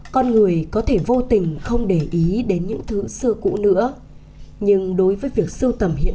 con người có thể vô tình không để ý đến những thứ xưa cũ nữa nhưng đối với việc sưu tầm hiện